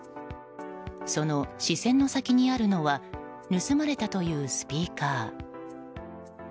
その視線の先にあるのは盗まれたというスピーカー。